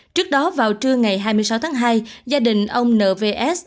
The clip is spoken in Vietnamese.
trước đó vào trưa ngày hai mươi sáu tháng hai gia đình ông n v s